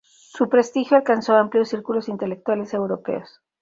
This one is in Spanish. Su prestigio alcanzó amplios círculos intelectuales europeos.